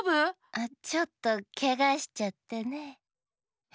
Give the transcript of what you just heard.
あっちょっとけがしちゃってね。え？